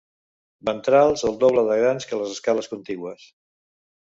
Ventrals el doble de grans que les escales contigües.